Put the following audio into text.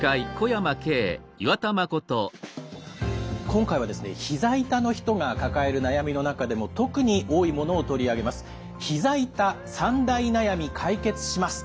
今回はですねひざ痛の人が抱える悩みの中でも特に多いものを取り上げます。